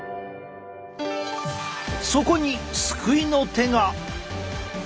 そこに救いの手が。